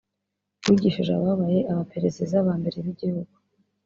wigishije ababaye abapereziza ba mbere b’igihugu